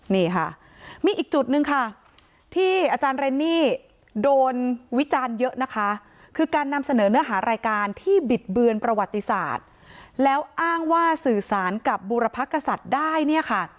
นี่ค่ะมีอีกจุดหนึ่งค่ะที่อาจารย์เรนนี่โดนวิจารณ์เยอะนะคะคือการนำเสนอเนื้อหารายการที่บิดเบือนประวัติศาสตร์แล้วอ้างว่าสื่อสารกับบุรพกษัตริย์ได้เนี่ยค่ะ